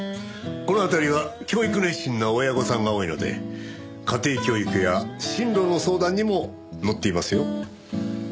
この辺りは教育熱心な親御さんが多いので家庭教育や進路の相談にも乗っていますよ。